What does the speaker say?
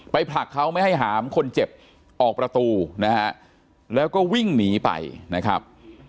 ผลักเขาไม่ให้หามคนเจ็บออกประตูนะฮะแล้วก็วิ่งหนีไปนะครับ